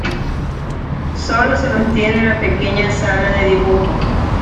Sólo se mantiene la pequeña sala de dibujo.